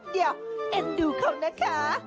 เดี๋ยวเอ็นดูเขานะคะ